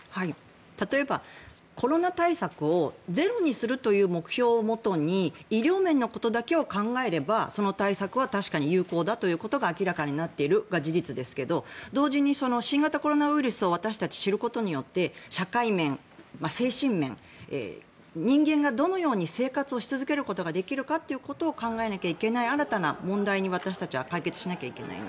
例えばコロナ対策をゼロにするという目標をもとに医療面のことだけを考えればその対策は確かに有効だということが明らかになっているが事実ですが同時に新型コロナウイルスを私たちは知ることによって社会面、精神面人間がどのように生活をし続けることができるかということを考えなきゃいけない新たな問題に私たちは対決しなければいけない。